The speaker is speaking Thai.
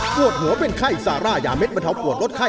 ปวดหัวเป็นไข้ซาร่ายาเด็ดบรรเทาปวดลดไข้